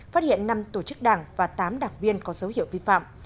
phát hiện năm tổ chức đảng và tám đảng viên có dấu hiệu vi phạm